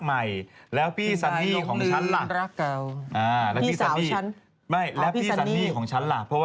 ไม่แล้วพี่สันนี่ของชั้น